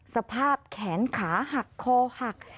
สภาพแขนขาหักคอหัก